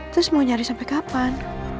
terus mau nyari sampai kapan